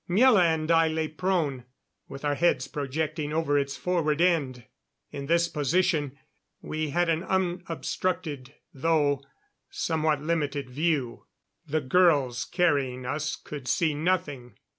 Miela and I lay prone, with our heads projecting over its forward end. In this position we had an unobstructed, though somewhat limited, view. The girls carrying us could see nothing.